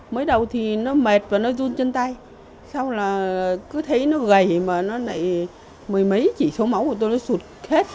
mới đầu thì nó mệt và nó run chân tay xong là cứ thấy nó gầy mà nó lại mười mấy chỉ số máu của tôi nó sụt hết